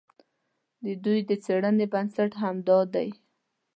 د دوی د څېړنې بنسټ همدا دی.